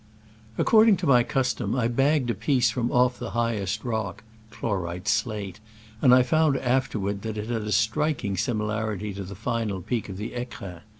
According to my custom, I bagged a piece from off the highest rock (chlorite slate), and I found afterward that it had a striking similarity to the final peak of the jfecrins.